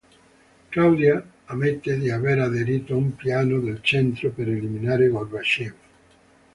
Claudia ammette di aver aderito a un piano del Centro per eliminare Gorbačëv.